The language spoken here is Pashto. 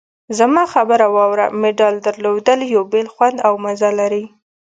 زما خبره واوره! مډال درلودل یو بېل خوند او مزه لري.